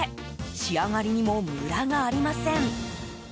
仕上がりにもムラがありません。